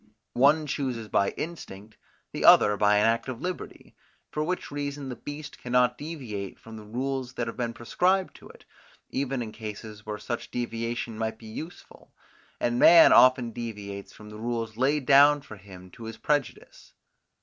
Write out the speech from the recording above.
One chooses by instinct; the other by an act of liberty; for which reason the beast cannot deviate from the rules that have been prescribed to it, even in cases where such deviation might be useful, and man often deviates from the rules laid down for him to his prejudice.